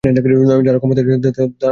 যাঁরা ক্ষমতায় আছেন, তাঁরাও সতর্ক হবেন।